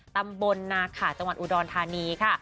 ตำบลนาขาจังหวัดอุดรธานีค่ะ